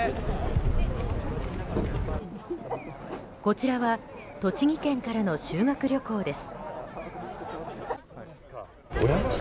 こちらは栃木県からの修学旅行です。